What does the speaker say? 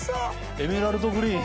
エメラルドグリーン。